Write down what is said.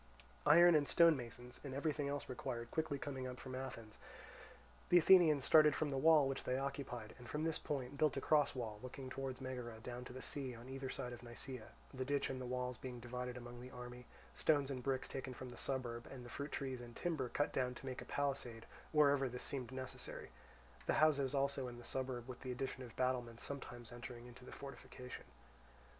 Iron, stone masons, and everything else required quickly coming up from Athens, the Athenians started from the wall which they occupied, and from this point built a cross wall looking towards Megara down to the sea on either side of Nisaea; the ditch and the walls being divided among the army, stones and bricks taken from the suburb, and the fruit trees and timber cut down to make a palisade wherever this seemed necessary; the houses also in the suburb with the addition of battlements sometimes entering into the fortification.